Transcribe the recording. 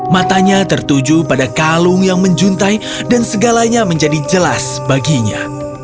matanya tertuju pada kalung yang menjuntai dan segalanya menjadi jelas baginya